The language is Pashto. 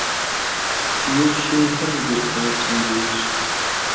یو شی هم در ته نه ټینګېږي.